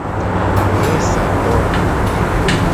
Vesato.